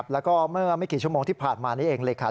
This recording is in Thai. แล้วก็ไม่กี่ชั่วโมงที่ผ่านมานี้เลย